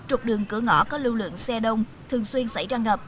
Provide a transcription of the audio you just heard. trục đường cửa ngõ có lưu lượng xe đông thường xuyên xảy ra ngập